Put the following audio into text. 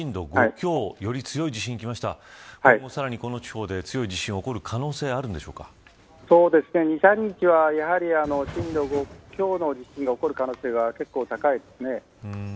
今後、さらに、この地方で強い地震が起こる可能性は２、３日は震度５強の地震が起こる可能性が結構高いですね。